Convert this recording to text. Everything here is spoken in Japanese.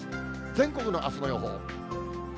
全国のあすの予報。